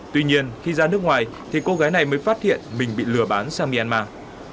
tuy nhiên khi ra nước ngoài thì cô gái này mới phát hiện mình bị lừa bán sang myanmar